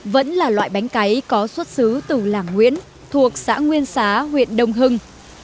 vẫn là loại bánh cấy có xuất xứ từ làng nguyễn thuộc xã nguyên xá huyện đông hưng